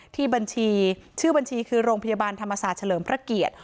ที่บัญชีชื่อบัญชีคือโรงพยาบาลธรรมศาสตร์เฉลิมพระเกียรติ